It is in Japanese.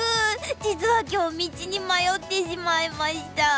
実は今日道に迷ってしまいました。